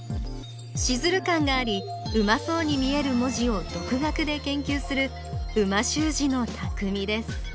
シズル感がありうまそうに見える文字を独学で研究する美味しゅう字のたくみです